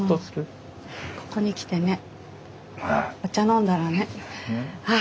ここに来てねお茶飲んだらねはあ